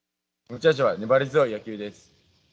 持ち味は粘り強い野球です。